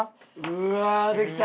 うわーできた！